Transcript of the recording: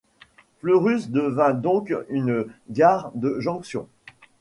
Fleurus devint donc une gare de jonction.